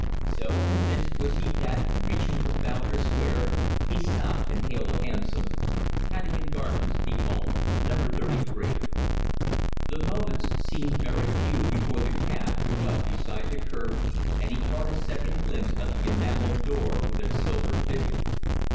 So convinced was he that, reaching Trafalgar Square, he stopped and hailed a hansom. "Cadogan Gardens!" he called. "No. 33." The moments seemed very few before the cab drew up beside the curb and he caught his second glimpse of the enamelled door with its silver fittings.